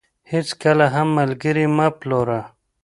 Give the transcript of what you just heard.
هيچ کله هم ملګري مه پلوره .